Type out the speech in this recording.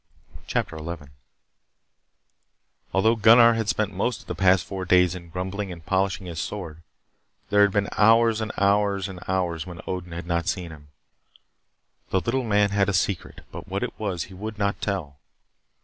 CHAPTER 11 Although Gunnar had spent most of the past four days in grumbling and polishing his sword, there had been hours and hours when Odin had not seen him. The little man had a secret, but what it was he would not tell.